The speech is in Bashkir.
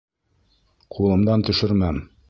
Ҡулымдан төшөрмәм